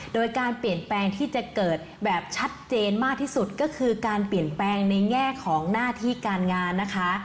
โดยการเปลี่ยนแปลงที่จะเกิดแบบชัดเจนมากที่สุดก็คือการเปลี่ยนแปลงในแง่ของหน้าที่การงานนะคะ